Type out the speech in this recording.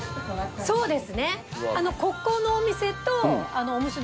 そうですね。